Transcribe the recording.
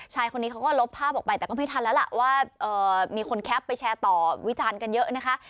ชายคนนี้เขาก็ลบภาพออกไปแต่ก็ไม่ทันแล้วล่ะว่ามีคนแคปไปแชร์ต่อวิจารณ์กันเยอะนะคะ